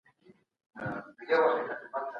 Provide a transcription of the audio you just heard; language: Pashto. فرهنګي انسان پوهنه د ټولنپوهني له کارونو سره ورته ده.